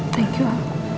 thank you pa